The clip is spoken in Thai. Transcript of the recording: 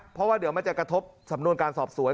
เพราะว่าเดี๋ยวมันจะกระทบสำนวนการสอบสวน